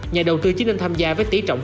nhà đầu tư chỉ nên tham gia với tỷ trọng